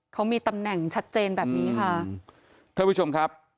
เขามีตำแหน่งชัดเจนแบบนี้ค่ะ